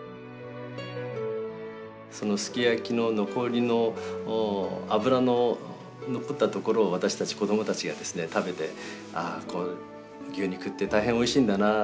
そのすき焼きの残りの脂の残ったところを私たち子供たちが食べてああ牛肉って大変おいしいんだな